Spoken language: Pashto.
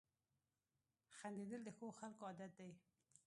• خندېدل د ښو خلکو عادت دی.